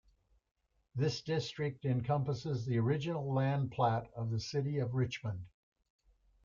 This district encompasses the original land plat of the city of Richmond.